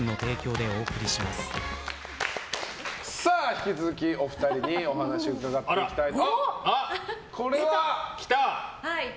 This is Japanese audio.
引き続きお二人にお話を伺っていきたいと。